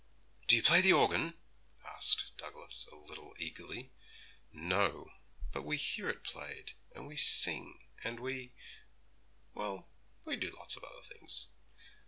'Do you play the organ?' asked Douglas, a little eagerly. 'No, but we hear it played, and we sing, and we well, we do lots of other things.'